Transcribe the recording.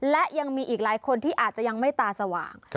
และยังมีอีกหลายคนที่อาจจะยังไม่ตาสว่าง